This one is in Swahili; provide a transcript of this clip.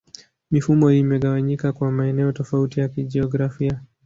Mifumo hii imegawanyika kwa maeneo tofauti ya kijiografia.